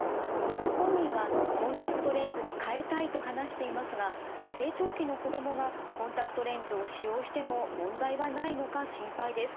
本人はコンタクトレンズに替えたいと話していますが成長期の子どもがコンタクトレンズを使用しても問題はないのか心配です。